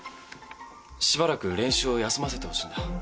しばらく練習を休ませてほしいんだ。